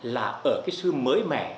là ở cái sự mới mẻ